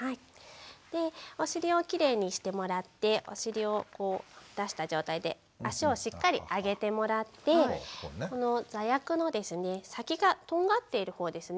でお尻をきれいにしてもらってお尻をこう出した状態で足をしっかり上げてもらってこの座薬の先がとんがっている方ですね。